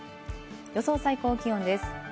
予想最高気温です。